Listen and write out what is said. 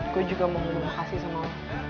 gue juga mau berterima kasih sama lo